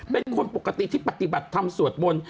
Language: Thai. เป็นคนปกติที่ปฏิบัติทำสวดมนต์